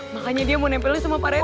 makanya dia mau nempelin sama pak rete